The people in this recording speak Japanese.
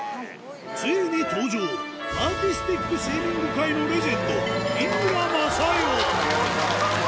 ついに登場、アーティスティックスイミング界のレジェンド、井村雅代。